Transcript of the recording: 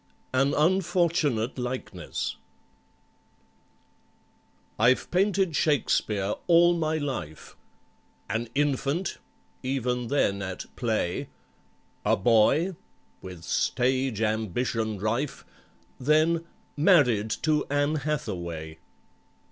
AN UNFORTUNATE LIKENESS I'VE painted SHAKESPEARE all my life— "An infant" (even then at "play"!) "A boy," with stage ambition rife, Then "Married to ANN HATHAWAY."